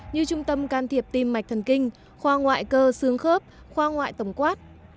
như trung tâm can thiệp tim mạch thần kinh khoa ngoại cơ xương khớp khoa ngoại tổng quát